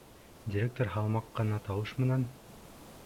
Директор һалмаҡ ҡына тауыш менән: